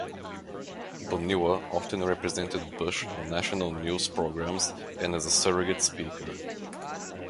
Bonilla often represented Bush on national news programs and as a surrogate speaker.